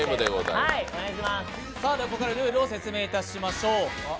ここからルールを説明いたしましょう。